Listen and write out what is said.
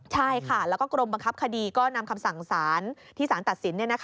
ใช่ค่ะแล้วก็กรมบังคับคดีก็นำคำสั่งสารที่สารตัดสิน